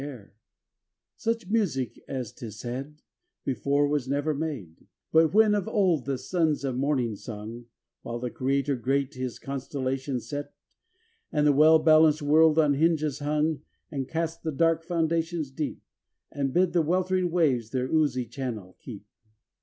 589 PALESTINE xn Such music (as 't is said) Before was never made, But when of old the Sons of Morning sung, While the Creator great His constellations set, And the well balanced World on hinges hung, And cast the dark foundations deep. And bid the weltering waves their oozy channel keep.